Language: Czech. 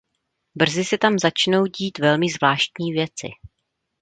Brzy se tam začnou dít velmi zvláštní věci.